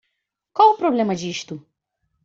Qual o problema disto